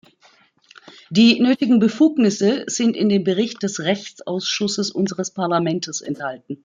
Die nötigen Befugnisse sind in dem Bericht des Rechtsausschusses unseres Parlaments enthalten.